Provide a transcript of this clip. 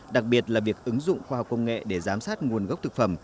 đặc biệt là việc ứng dụng khoa học công nghệ để giám sát nguồn gốc thực phẩm